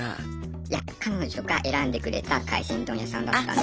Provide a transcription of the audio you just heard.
いや彼女が選んでくれた海鮮丼屋さんだったんで。